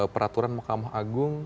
peraturan mahkamah agung